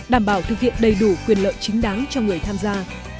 đảm bảo thực hiện đầy đủ quyền lợi chính đáng cho người tham gia